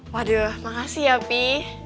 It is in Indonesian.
waduh makasih ya pi